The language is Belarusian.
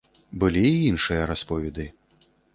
Былі і іншыя расповеды.